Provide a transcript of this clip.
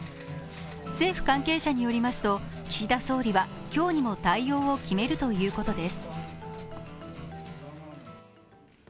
政府関係者によりますと岸田総理は今日にも対応を決めるということです。